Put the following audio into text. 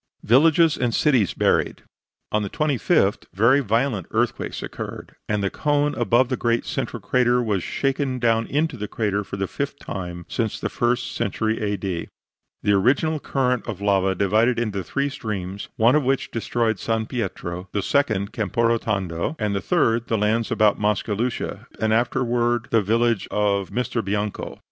VILLAGES AND CITIES BURIED On the 25th very violent earthquakes occurred, and the cone above the great central crater was shaken down into the crater for the fifth time since the first century A. D. The original current of lava divided into three streams, one of which destroyed San Pietro, the second Camporotondo, and the third the lands about Mascalucia and afterward the village of Misterbianco.